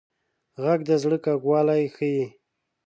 غږ د زړه کوږوالی ښيي